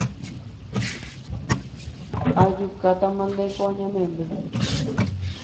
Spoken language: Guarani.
Ajukátamante ko añamemby